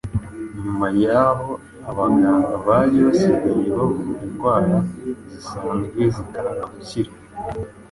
nyuma y’aho abaganga bari basigaye bavura indwara zisanzwe zikanga gukira,